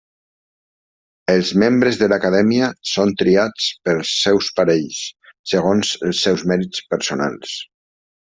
Els membres de l'Acadèmia són triats pels seus parells, segons els seus mèrits personals.